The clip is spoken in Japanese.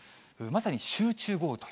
まさに集中豪雨と。